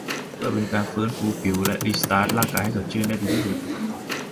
เพื่อเป็นการฟื้นฟูผิวและรีสตาร์ตร่างกายให้สดชื่นได้ดีที่สุด